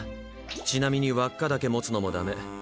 ちなみに輪っかだけ持つのもダメ。